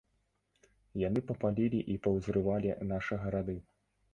Яны папалілі і паўзрывалі нашы гарады.